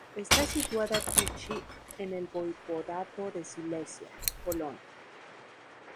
Está situada Tychy, en el Voivodato de Silesia, Polonia.